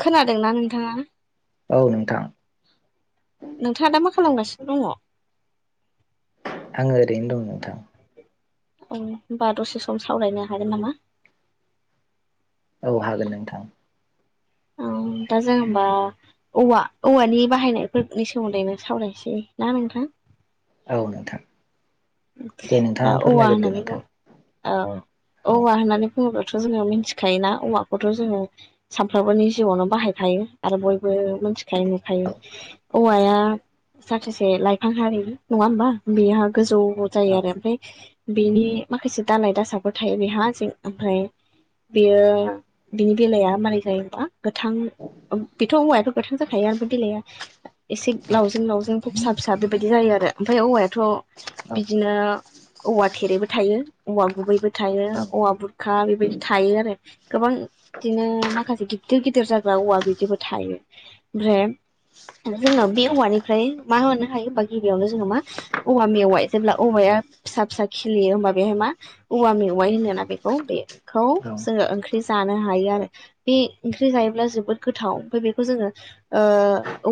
खोनादोंना नोंथाङा? औ नोंथां। नोंथाङा दा मा खालामगासिनो दङ? आङो ओरैनो दं नोंथां औ होमबा द'से सम सावरायनो हागोन नामा? औ हागोन नोंथां। औ दा जेनबा औव औवानि बाहायनायफोरनि सोमोन्दै नों सावरायसै ना नोंथां। औ नोंथां दे दा नोंथाङा औवा फोरमायग्रोदो होननानै औ नोंथां औ औवा होननानै होनोबाथ' जोङो मिथिखायोना औवाखौथ' जोङो। सानफ्रोमबोनि जिउआवनो बाहायखायो आरो बयबो मोनथिखायो नुखायो औ औवाया जाथोसे लाइफां हारि नङा होमबा बेहा गोजौ गौ औ जायो आरो ओमफ्राय बेनि माखासे दालाय दासाफोर थायो बेहा जों ओमफ्राय बेयो बिनि बेलाया मारै जायोबा गोथां बेथ' ओवायाबो गोथां जाखायो आमफ्राय बिलाइया एसे औ लावजों लावजोंथ फिसा फिसा बेबायदि जायो आरो ओमफ्राय औवायाथ' औ बिदिनो औवा थेरेबो थायो औवा गुबैबो थायो औवा बुरखा बेबायदि थायो आरो गोबां बिदिनो माखासे गिदिर गिदिर जाग्रा औवा बिदिबो थायो ओमफ्राय जोङो बे औवानिफ्राय मा होनो हायोबा गिबियावनो जोङो मा औवा मेवाय जेब्ला औवाया फिसा फिसा खिलियो होमबा बेहाय मा औवा मेवाइ होनोना बेखौ बेखौ जोङो ओंख्रि जानो हायो आरो बे ओंख्रि जायोब्ला जोबोद गोथाव ओमफ्राय बेखौ जोङो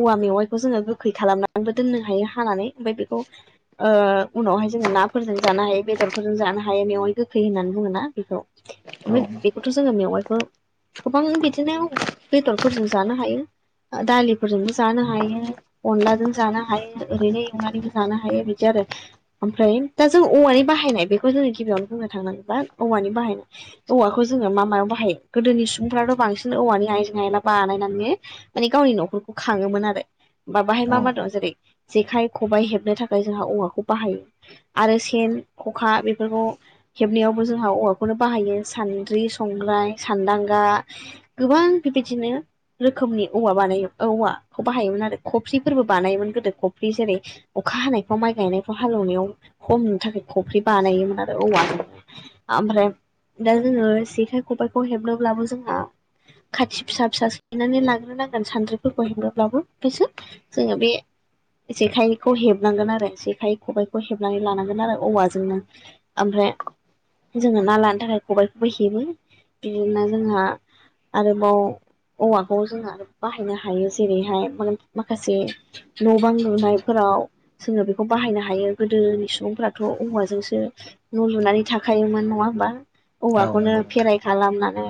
औवा मेवाइखौ जोङो गोखै खालामनानैबो दोननो हायो हानानै ओमफ्राय बेखौ ओ उनावहाय जोङो नाफोरजों जानो हायो बेदरफोरजों जानो हायो मेवाइ गोखै होननानै बुङोना बेखौ औ ओमफ्राय बेखौथ' जोङो मेवाइखौ गोबां बिदिनो बेदरफोरजों जानो हायो। दालिफोरजोंबो जानो हायो। अनलाजों जानो हायो ओरैनो एवनानैबो जानो हायो बिदि आरो ओमफ्राय दा जों औवानि बाहायनाय बेखौ जोङो गिबियावनो बुंनो थांनांगौ औवानि बाहायनाय औवाखौ जोङो मा मायाव बाहायो गोदोनि सुबुंफ्राथ' बांसिन औवानि आयजें आयला बानायनानै माने गावनि न'खरखौ खाङोमोन आरो बा बाहाय औ मा मा दं जेरै जेखाइ खबाइ हेबनो थाखाय जोंहा औवाखौ बाहायो आरो सेन खखा बेफोरखौ हेबनायावबो जोंहा औवाखौनो बाहायो सान्द्रि संग्राय सान्दांगा गोबां बिबादिनो रोखोमनि औवा बानायो औवाखौ बाहायोमोन आरो खफ्रिफोरबो बानायोमोन गोदो खफ्रि जेरै अखा हानायफ्राव माइ गायनायफ्राव हालेवनायाव हमनो थाखाय खफ्रि बानायोमोन आरो औवाजोंनो ओमफ्राय दा जोङो जेखाइ खबाइखौ हेबनोब्लाबो जोंना खाथि फिसा फिसा सैनानै लाग्रोनांगोन सानद्रिफोरखौ हेंग्रोब्लाबो बेसो जोङो बे जेखाइखौ हेबनांगोन आरो जेखाय खबबायखौ हेबनानै लानांगोन आरो औवाजोंनो ओमफ्राय जोङो ना लानो थाखाय खबाइखौबो हेबो बिदिनो जोंहा आरोबाव औवाखौ जों आरो बाहायनो हायो जेरैहाय माने माखासे न' बां लुनायफोराव जोङो बेखौ बाहायनो हा हायो गोदोनि सुबुंफ्राथ' औवाजोंसो न' लुनानै थाखायोमोन नङा होमबा औ औवाखौनो नंगौ नोंथां फेराय खालामनानै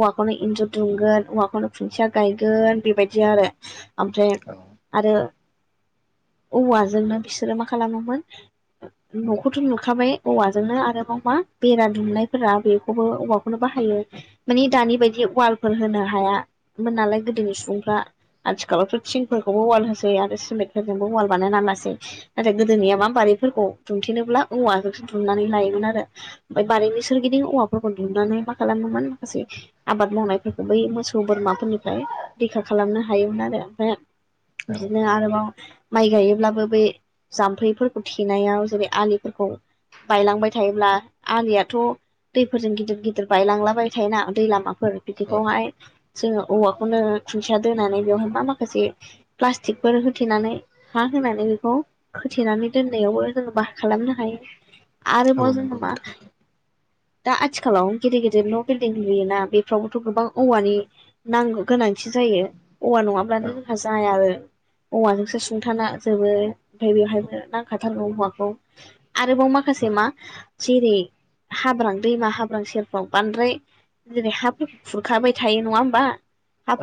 औवाखौनो इन्जुर दुंगोन औवाखौनो खुन्थिया गायगोन बेबायदि आरो ओमफ्राय औ आरो औवाजोंनो बिसोरो मा खालामोमोन न'खौथ' लुखाबाय औवाजोंनो आरोबाव मा बेरा दुमनायफोरा बेखौबो औवाखौ खौनो बाहायो मानि दानि बायदि ववालफोर होनो हायामोन नालाय गोदोनि सुबुंफ्रा आथिखालावथ' थिंफोरखौबो ववाल होसै आरो सिमेन्टफोरजोंबो ववाल बानायना लासै नाथाय गोदोनिया मा बारिफोरखौ दुमथेनोब्ला औवाखौसो दुमनानै लायोमोन आरो ओमफ्राय बारिनि सोरगिदिं औवाफोरखौ दुमनानै मा खालामोमोन माखासे आबाद मावनायफोरखौ बै मोसौ बोरमाफोरनिफ्राय रैखा खालामनो हायोमोन आरो ओमफ्राय औ बिदिनो आरोबाव माइ गायोब्लाबो बे जाम्फैफोरखौ थेनायाव जेरै आलिफोरखौ बायलांबाय थायोब्ला आलियाथ' दैफोरजों गिदिर गिदिर बायलांलाबाय थायोना दै लामाफोर औ बिदिखौहाय जोङो औवाखौनो खुन्थिया दोनानै बेवहाय मा माखासे प्लास्टिकफोर होथेनानै हा होनानै बेखौ खोथेनानै दोननायावबो जोङो बाहा खालामनो हायो औ आरोबाव नंगौ जोङो मा नोंथां दा आथिखालाव गिदिर गिदिर न' बिल्डिं लुयोना बेफोरावबोथ' गोबां औवानि नांगौ गोनांथि जायो औवा औ नङाब्लानो जोंहा जाया आरो औवाजोंसो सुंथाना जोबो ओमफ्राय बेवहायनो नांखाथारगौ औवाखौ आरोबाव माखासे मा जेरै हाब्रां दैमा हाब्रां सेरफ्राव बांद्राय जेरै हाफोरखौ खुरखाबाय थायो नङा होमबा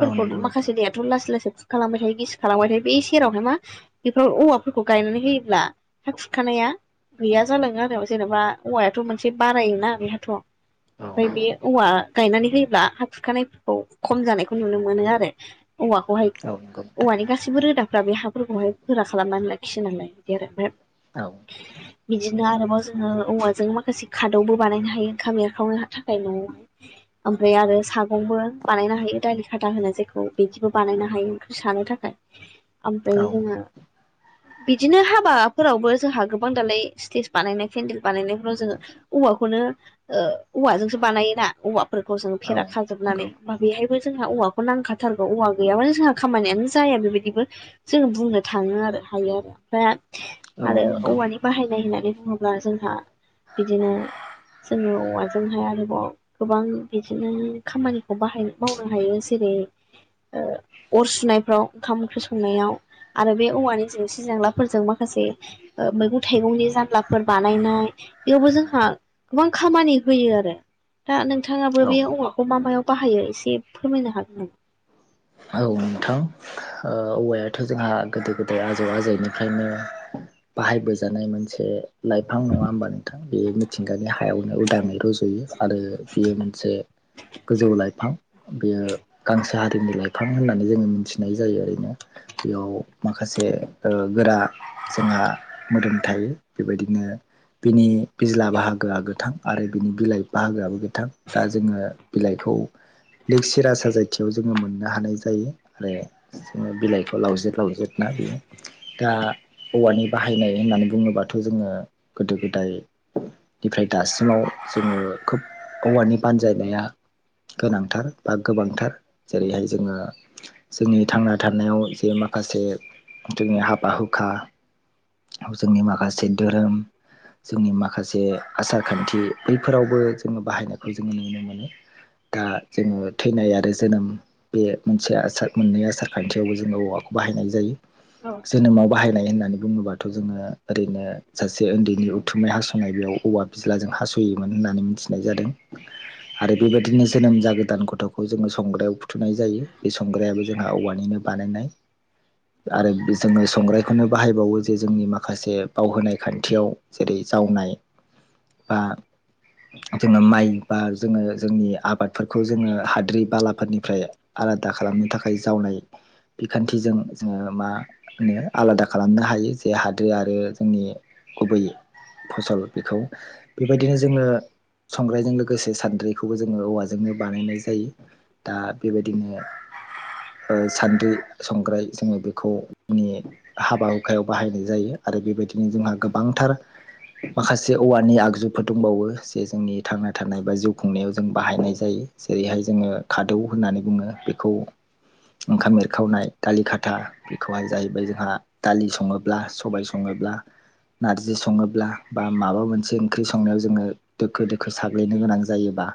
औ नंगौ नोंथां औ नंगौ नोंथां माखासे दैयाथ' लासै लासै खुरखालांबाय थायो गिसि खालांबाय थायो बे सेरावनो मा बेफोराव औवा फोरखौ गायनानै होयोब्ला हा खुरखानाया गैया जालाङो आरो जेनेबा औवायाथ' मोनसे बारायोना बेहाथ' औ ओमफ्राय बे औवा गायनानै होयोब्ला हा खुरखानायफोरखौ खम जानायखौ नुनो मोनो आरो औवाखौहाय औ औ औवानि गासैबो रोदाफ्रा बे हाफोरखौहाय गोरा खालामनानै लाखियो नालाय बिदि आरो ओमफ्राय [inaudible] बिदिनो आरोबाव जोङो औवाजों माखासे खादौबो बानायनो हायो ओंखाम एरखावनो थाखाय न'आव ओमफ्राय आरो सागंबो बानायनो हायो दालि खाथा होनो जायखौ बिदिबो बानायनो हायो ओंख्रि सानो थाखाय ओमफ्राय जोङो बिदिनो हाबाफोरावबो जोंहा गोबां दालाय स्टेज बानायनाय केन्देल बानायनायफोराव जोङो औवाखौनो ओ औवाजोंसो बानायोना औवाफोरखौ जों औ फेरा खाजोबनानै हाय बेहायबो जोंहा औवाखौ खौ नांखाथारगौ औवा गैयाबानो जोंहा खामानियानो जाया बेबायदिबो जोंङो बुंनो थाङो आरो [unintelligible] बाहायनाय नंगौ होननानै बुङोब्ला जोंहा बिदिनो जोङो औवाजोंहाय आरोबाव गोबां बिदिनो खामानिखौ बाहाय मावनो हायो जेरै ओ अर सुनायफ्राव ओंखाम ओंख्रि संनायाव आरो बे औवानि जेंसि जेंलाफोरजों माखासे ओ मैगं थाइगंनि जानलाफोर बानायनाय बेयावबो जोंहा गोबां खामानि होयो आरो दा नोंथाङाबो औ बे औवाखौ मा मायाव बाहायो एसे फोरमायनो हागोन नामा? औ नोंथां ओ औवायाथ' जोंहा गोदो गोदाय आजौ आजौनिफ्रायनो बाहायबोजानाय मोनसे लाइफां नङा होमबा नोंथां बेयो मिथिंगानि हायावनो उदाङै रज'यो आरो बियो मोनसे गोजौ लाइफां बेयो गांसो हारिनि लाइफां फां होननानै जोङो मिथिनाय जायो ओरैनो बेयाव माखासे ओ गोरा जोंहा मोदोम थायो बेबायदिनो बिनि बिज्ला बाहागोआ गोथां आरो बिनि बिलाइ बाहागोआबो गोथां दा जोङो बिलाइखौ लग सिरा साजायथियाव जोङो मोनो थानो हानाय जायो आरो जोङो बिलाइखौ लावजे लावजे ना बेयो दा औवानि बाहायनाय होननानै बुङोबाथ' जोङो गोदो गोदाय ओमफ्राय दासिमाव जोङो खोब औवानि बानजायनाया गोनांथार बा गोबांथार जेरैहाय जोङो जोंनि थांना थानायाव जे माखासे जोंनि हाबा हुखा जोंनि माखासे धोरोम जोंनि माखासे आसार खान्थि बैफोरावबो जोङो बाहायनायखौ जोङो नुनो मोनो दा जोङो थैनाय आरो जोनोम बे मोनसे आसार मोननै आसार खान्थियावबो जोङो औवाखौ बाहायनाय जायो नामा? औ जोनोमाव बाहायनाय होननानै बुङोबा थ' जोङो ओरैनो सासे उन्दैनि उथुमै हास'नाय बेयाव औवा बिज्लाजों हास'योमोन होननानै मिथि होननाय जादों आरो बेबायदिनो जोनोम जागोदान गथ'खौ जोङो संग्रायाव फु थुनाय जायो बे संग्रायाबो जोंहा औवानिनो बानायनाय आरो जोङो संग्रायखौनो बाहायबावो जे जोंनि माखासे बावहोनाय खान्थियाव जेरै जावनाय बा जोङो माइ बा जोङो जोंनि आबादफोरखौ जोङो हाद्रि बालाफोरनि फ्राय आलादा खालामनो थाखाय जावनाय बिखान्थिजों जोङो मा आलादा खालामनो हायो जे हाद्रि आरो जोंनि गुबैयै फसल बेखौ बेबायदिनो जोङो संग्रायजों लोगोसे सान्द्रिखौबो जोङो औवाजोंनो बानायनाय जायो दा बेबायदिनो सान्द्रि संग्राय जोङो बेखौ हाबा हुखायाव बाहायनाय जायो आरो बेबायदिनो जोंहा गोबांथार माखासे औवानि आगजुफोर दंबावो जे जोंनि थांना थानाय बा जिउ खुंनायाव जों बाहायनाय जायो जेरैहाय जोङो खादौ होननानै बुङो बेखौ ओंखाम एरखावनाय दालि खाथा बेखौहाय जाहैबाय जोंहा दालि सङोब्ला सबबाय सङोब्ला नारजि सङोब्ला बा माबा मोनसे ओंख्रि संनायाव जोङो दोखो दोखो साग्लायनो गोनां जायोबा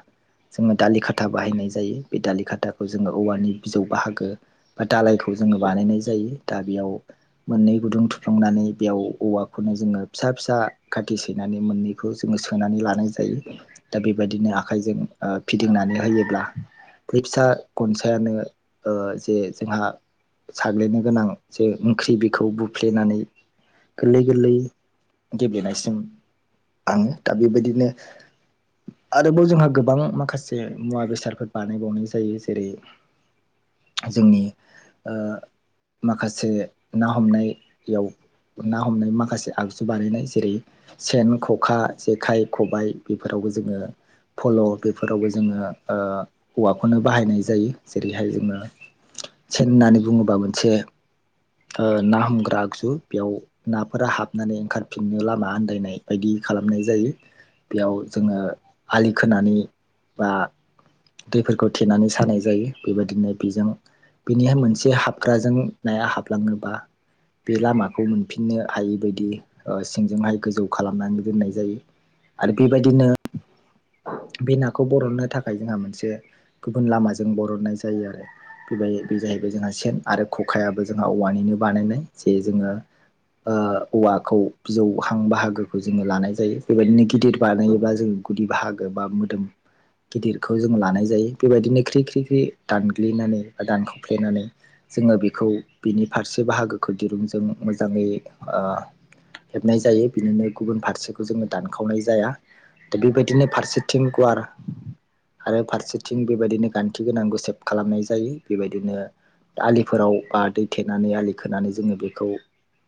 जोङो दालि खाथा बाहायनाय जायो बे दालि खाथाखौ जोङो औवानि बिजौ बाहागो बा दालायखौ जोङो बानायनाय जायो दा बेयाव मोननै गुदुं थुफ्लांनानै बेयाव औवाखौनो जोङो फिसा फिसा खाथि सैनानै मोननै बेखौ जोङो सोनानै लानाय जायो दा बेबायदिनो आखाइजों फिदिंनानै होयोब्ला बै फिसा गनसायानो जे जोंहा साग्लिनो गोनां जे ओंख्रि बेखौ बुफ्लेनानै गोरलै गोरलै गेब्लेनायसिम आङो दा बेबायदिनो आरोबाव जोंहा गोबां माखासे मुवा बेसादफोर बानायबावनाय जायो जेरै जोंनि माखासे ना हमनायाव ना हमनाय माखासे आगजु बानायनाय जेरै सेन ख'खा जेखाइ खबाय बेफोरावबो जोङो फल' बेफोरावबो जोङो हौवाखौनो बाहायनाय जायो जेरैहाय जोङो सेन होननानै बुङोबा मोनसे ना हमग्रा आगजु बेयाव नाफोरा हाबनानै ओंखारफिननो लामा आन्दायनाय बायदि खालामनाय जायो बेयाव जोङो आलि खोनानै बा दैफोरखौ थेनानै सानाय जायो बेबायदिनो बेजों बिनिहाय मोनसे हाबग्राजों नाया हाबलाङोबा बे लामाखौ मोनफिननो हायै बायदि सिंजोंहाय गोजौ खालामनानै दोननाय जायो आरो बेबायदिनो बे नाखौ बरननो थाखाय जोंहा मोनसे से गुबुन लामाजों बरननाय जायो आरो बेबाय बे जाहैबाय जोंहा सेन आरो खखायाबो जोंहा औवानिनो बानायनाय जे जोङो औवाखौ बिजौहां बाहागोखौ जोङो लानाय जायो बेबायदिनो गिदिर बानायोबा जों गुदि बाहागो बा मोदोम गिदिरखौ जों ज लानाय जायो बेबायदिनो ख्रि ख्रि ख्रि दानग्लिनानै बा दानख'फ्लेनानै जोङो बेखौ बिनि फारसे बाहागोखौ दिरुंजों मोजाङै हेबनाय जायो बिदिनो गुबुन फारसेखौ जोङो दानखावनाय जाया दा बेबायदिनो फारसेथिटिं गुवार आरो फारसेथिं बेबायदिनो खान्थि गोनांखौ सेभ खालामनाय जायो बेबायदिनो आलिफोराव बा दै थेनानै आलि खोनानै जोङो बेखौ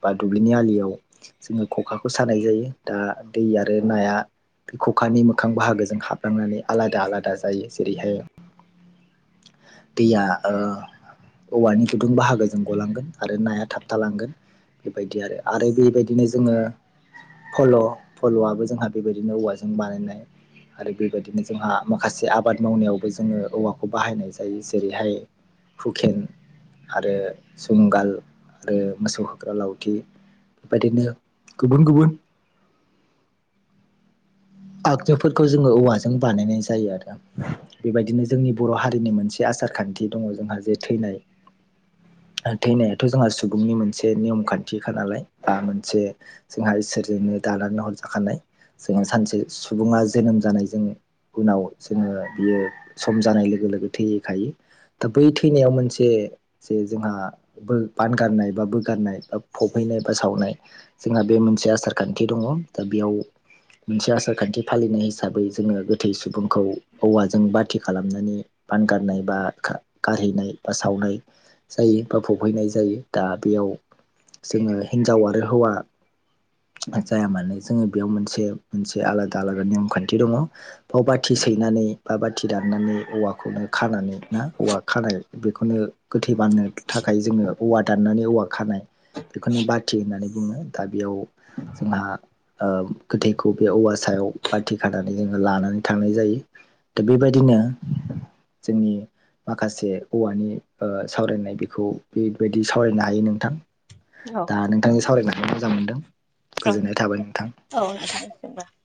बा दुब्लिनि आलियाव जोङो खखाखौ सानाय जायो दा दै आरो नाया बे खखानि मोखां बाहागोजों हाबलांनानै आलादा आलादा जायो जेरैहाय दैया ओ औवानि गुदुं बाहागो जों गलांगोन आरो नाया थाबथालांगोन बेबायदि आरो आरो बेबायदिनो जोङो फल' फल'आबो जोंहा बेबायदिनो औवाजों बानायनाय आरो बेबायदिनो जोंहा माखासे आबाद मावनायावबो जोङो औवाखौ बाहायनाय जायो जेरैहाय हुकेन आरो जुंगाल आरो मोसौ होग्रा लावथि बेबायदिनो गुबुन गुबुन आगजुफोरखौ जोङो औवाजों बानायनाय जायो आरो बेबायदिनो जोंनि बर' हारिनि मोनसे आसार खान्थि दङ जोंहा जे थैनाय थैनायाथ' जोंहा सुबुंनि मोनसे नेयम खान्थिखा नालाय बा मोनसे जोंहा इसोरजोंनो दालनो हरजाखानाय जोंहा सानसे सुबुङा जोनोम जानायजों। उनाव जोङो बियो सम जानाय लोगो लोगो थैहैखायो। दा बै थैनायाव मोनसे। जे जोंहा बान गारनाय बा बोगारनाय बा फबहैनाय बा सावनाय जोंहा बे मोनसे आसार खान्थि दङ दा बेयाव मोनसे आसार। रांखान्थि फालिनाय हिसाबै जोङो गोथै सुबुंखौ औवाजों बाथि खालामनानै। बान गारनाय बा गारहैनाय बा सावनाय। जायो बा बफैनाय जायो दा बेयाव जोङो हिनजाव आरो हौवा। जाया मानो जोङो बेयाव मोनसे मोनसे आलादा आलादा नेमखान्थि दङ। बाव बाथि सैनानै बा बाथि दाननानै औवाखौनो खानानै ना औवा खानाय बेखौनो गोथै बाननो थाखाय जोङो औवा दाननानै औवा खानाय। बेखौनो बाथि होननानै बुङो दा बेयाव जोंहा गोथैखौ। बे औवा सायाव बाथि खानानै जोङो लानानै थांनाय जायो दा बेबायदिनो जोंनि। माखासे औवानि सावरायनाय बेखौ बेबायदि सावरायनो हायो नोंथां। औ। नोंथांनि सावरायनानै मोजां मोनदों गोजोननाय थाबाय नोंथां। औ।